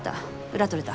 裏取れた。